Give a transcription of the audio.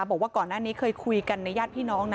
บอกว่าก่อนหน้านี้เคยคุยกันในญาติพี่น้องนะ